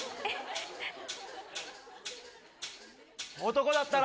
男だったら。